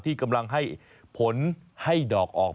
ที่กำลังให้ผลให้ดอกออก